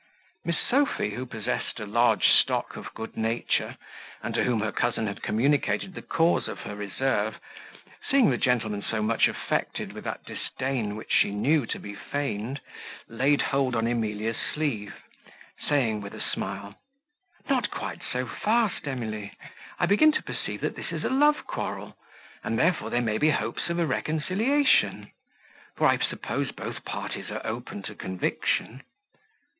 Miss Sophy, who possessed a large stock of good nature, and to whom her cousin had communicated the cause of her reserve, seeing the young gentleman so much affected with that disdain which she knew to be feigned, laid hold on Emilia's sleeve, saying, with a smile, "Not quite so fast, Emily. I begin to perceive that this is a love quarrel, and therefore there may be hopes of a reconciliation; for I suppose both parties are open to conviction."